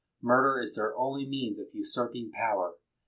Murder is their only means of usurping power.